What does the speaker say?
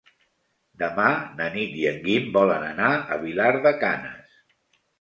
Demà na Nit i en Guim volen anar a Vilar de Canes.